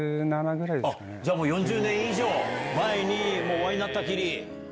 じゃあもう４０年以上前にお会いになったきり。